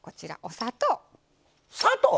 砂糖？